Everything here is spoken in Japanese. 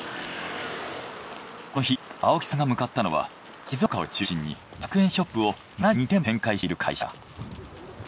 この日青木さんが向かったのは静岡を中心に１００円ショップを７２店舗展開している会社。